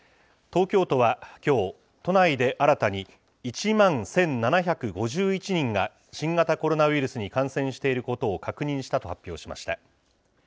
東京都はきょう、都内で新たに１万１７５１人が、新型コロナウイルスに感染していることを確認したと発表しました。